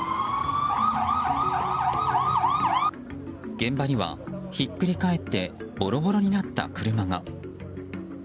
現場には、ひっくり返ってボロボロになった車が。